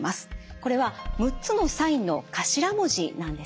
これは６つのサインの頭文字なんですね。